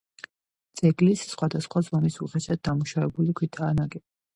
ძეგლის ხვადასხვა ზომის უხეშად დამუშავებული ქვითაა ნაგები.